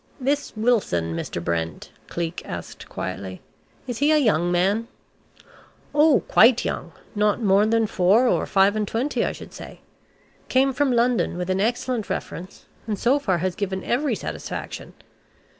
"This Wilson, Mr. Brent," Cleek asked quietly, "is he a young man?" "Oh quite young. Not more than four or five and twenty, I should say. Came from London with an excellent reference, and so far has given every satisfaction.